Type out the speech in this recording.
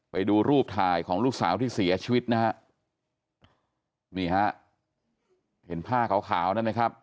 ไปดูรูปถ่ายของลูกสาวที่เสียชีวิตนะฮะนี่ฮะเห็นผ้าขาวขาวนั่นไหมครับ